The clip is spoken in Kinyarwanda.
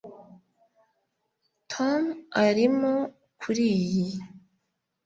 Tom arimo kuriyi